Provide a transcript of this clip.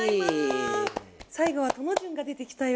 最後は殿潤が出てきたよ。